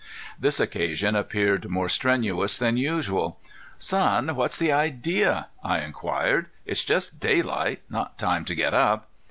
This occasion appeared more strenuous than usual. "Son, what's the idea?" I inquired. "It's just daylight not time to get up."